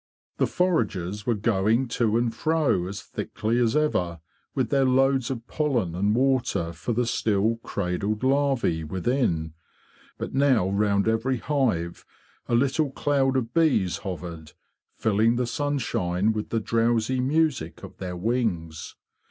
The foragers were going to and fro as thickly as ever with their loads of pollen and water for the still cradled larve within; but now round every hive a little cloud of bees hovered, filling the sunshine with the drowsy music of their wings.